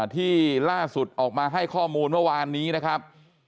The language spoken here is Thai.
ที่ล่าสุดออกมาให้ข้อมูลเมื่อวานนี้นะครับ